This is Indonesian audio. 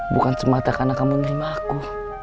bukan semata karena kamu menerima aku